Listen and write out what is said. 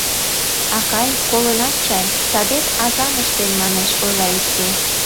— Акай, колынат чай, садет азам ыштен, манеш, — ойла икте.